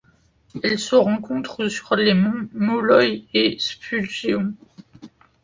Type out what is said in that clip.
Elle se rencontre sur les monts Molloy et Spurgeon.